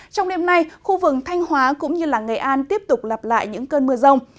trong đêm nay khu vực thanh hóa cũng như nghệ an tiếp tục lặp lại những cơn mưa rông